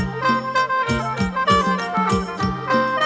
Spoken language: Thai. สวัสดีครับสวัสดีครับ